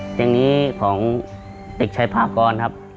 เตียงนี้ของเด็กใช้ภาพกรครับ